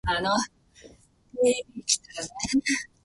今日のような日が毎日続けばいいと思う